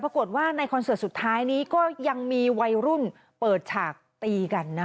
พรากฎในสุดท้ายยังมีวัยรุ่นเปิดถ่ายได้